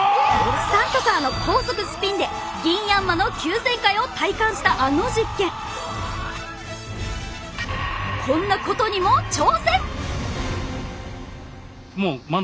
スタントカーの高速スピンでギンヤンマの急旋回を体感したあの実験こんなことにもちょうせん！